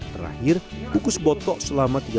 terakhir kukus botok selama tiga puluh